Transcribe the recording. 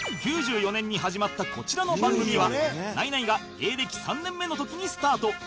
９４年に始まったこちらの番組はナイナイが芸歴３年目の時にスタート